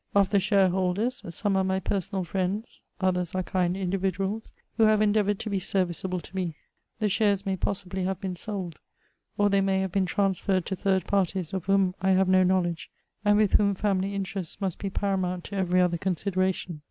Of the shareholders, some are my personal friends; others are kind indiyiduals, who have endeavoured to be serviceable to me. The shares may possibly have been sold ; or they may have been trans ferred to third parties of whom I have no knowledge, and with whom family interests must be paramount to every other consideration.